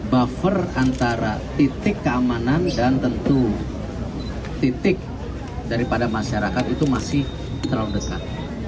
buffer antara titik keamanan dan tentu titik daripada masyarakat itu masih terlalu dekat